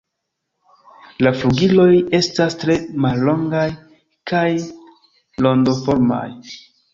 La flugiloj estas tre mallongaj kaj rondoformaj.